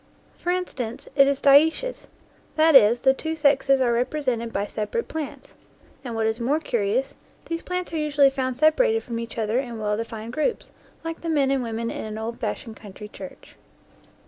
For instance, it is dioecious, that is the two sexes are represented by separate plants; and what is more curious, these plants are usually found separated from each other in well defined groups, like the men and women in 44 NEW GLEANINGS IN OLD FIELDS an old fashioned country church.